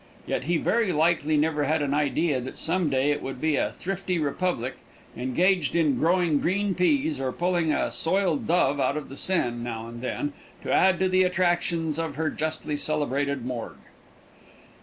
Yet he very likely never had an idea that some day it would be a thrifty republic, engaged in growing green peas, or pulling a soiled dove out of the Seine, now and then, to add to the attractions of her justly celebrated morgue.